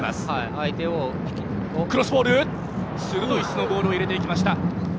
鋭い質のボールを入れてきた。